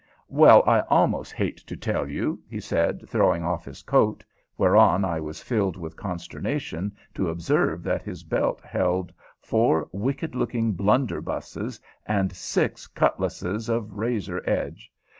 "Well, I almost hate to tell you," he said, throwing off his coat, whereon I was filled with consternation to observe that his belt held four wicked looking blunderbusses and six cutlasses of razor edge.